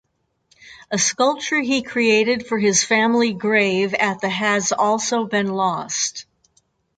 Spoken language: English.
A sculpture he created for his family grave at the has also been lost.